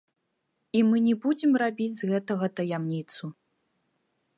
І мы не будзем рабіць з гэтага таямніцу.